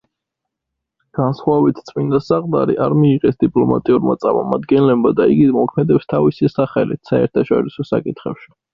განსხვავებით წმინდა საყდარი, არ მიიღეს დიპლომატიურმა წარმომადგენლებმა და იგი მოქმედებს თავისი სახელით, საერთაშორისო საკითხებში.